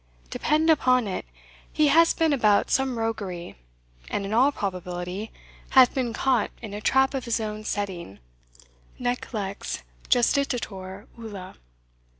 Depend upon it, he has been about some roguery, and in all probability hath been caught in a trap of his own setting Nec lex justitior ulla."